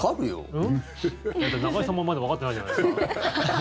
だって中居さんもまだわかってないじゃないですか。